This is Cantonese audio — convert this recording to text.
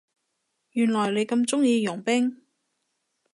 原來你咁鍾意傭兵